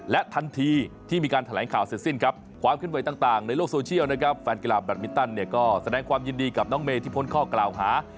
และทันทีที่มีการแถลงข่าวเสร็จสิ้นครับความขึ้นไหวต่างในโลกโซเชียลนะครับแฟนกีฬาแบตมินตันเนี่ยก็แสดงความยินดีกับน้องเมย์ที่พ้นข้อกล่าวหา